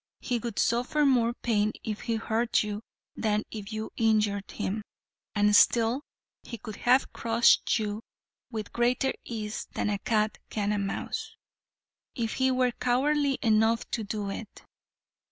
He would suffer more pain if he hurt you than if you injured him. And still he could have crushed you with greater ease than a cat can a mouse, if he were cowardly enough to do it.